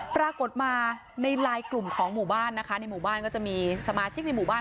ปรากฏมาในไลน์กลุ่มของหมู่บ้านนะคะในหมู่บ้านก็จะมีสมาชิกในหมู่บ้าน